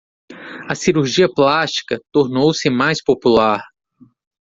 A cirurgia plástica tornou-se mais popular.